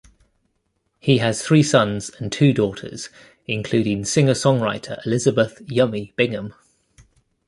He has three sons and two daughters, including singer-songwriter Elizabeth "Yummy" Bingham.